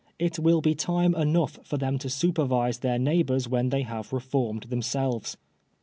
It will be time enough for them to supervise their neighbors when they have reformed themselves.